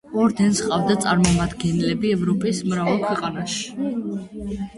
ორდენს ჰყავდა წარმომადგენლები ევროპის მრავალ ქვეყანაში.